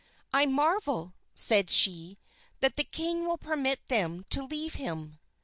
"I marvel," said she, "that the king will permit them to leave him."